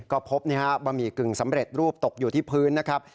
ก็พบบะหมี่กึ่งสำเร็จรูปตกอยู่ที่พื้นนะครับ